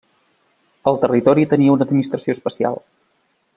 El territori tenia una administració especial.